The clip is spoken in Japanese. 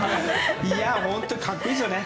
本当に格好いいですよね。